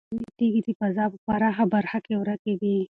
آسماني تیږې د فضا په پراخه برخه کې ورکې دي.